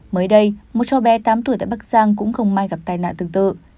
mới đây một chó bé tám tuổi tại bắc giang cũng không mai gặp tai nạn tương tự